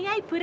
saya ibu remi